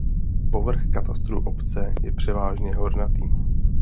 Povrch katastru obce je převážně hornatý.